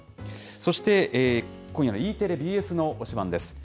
そして今夜のＥテレ、ＢＳの推しバンです。